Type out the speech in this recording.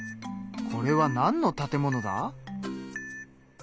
これはなんの建物だ？